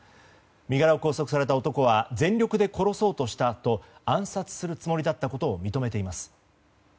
身柄を拘束された男は全力で殺そうとしたと暗殺するつもりだったことを認めています。